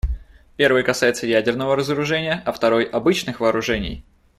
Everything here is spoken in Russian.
Первый касается ядерного разоружения, а второй — обычных вооружений.